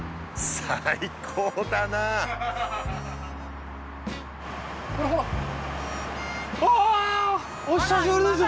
最高だなほらほらお久しぶりです